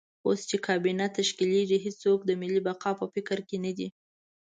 اوس چې کابینه تشکیلېږي هېڅوک د ملي بقا په فکر کې نه دي.